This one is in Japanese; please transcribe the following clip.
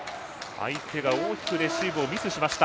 相手が大きくサーブをミスしました。